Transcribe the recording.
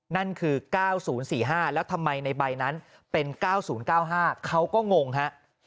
นั่นคือ๙๐๔๕แล้วทำไมในใบนั้นเป็น๙๐๙๕เขาก็งงฮะ